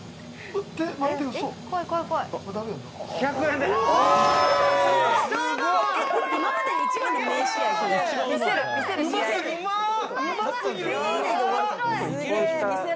１００円です。